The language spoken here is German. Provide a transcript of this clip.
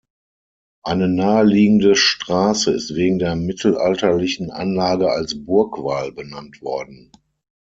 Eine naheliegende Straße ist wegen der mittelalterlichen Anlage als "Burgwall" benannt worden.